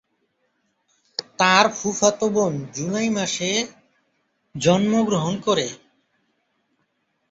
তার ফুফাতো বোন জুলাই মাসে জন্মগ্রহণ করে।